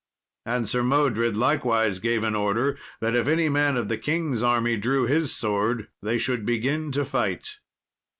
And Sir Modred likewise gave an order, that if any man of the king's army drew his sword, they should begin to fight.